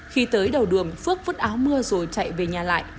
khi tới đầu đường phước vứt áo mưa rồi chạy về nhà lại